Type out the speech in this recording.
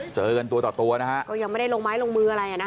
เจอกันตัวไปตัวต่อหลายต์นะฮะ